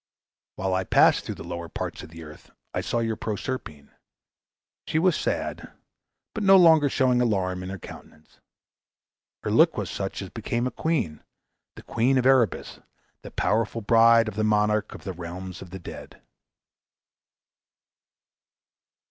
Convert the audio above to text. While I passed through the lower parts of the earth, I saw your Proserpine. She was sad, but no longer showing alarm in her countenance. Her look was such as became a queen the queen of Erebus; the powerful bride of the monarch of the realms of the dead."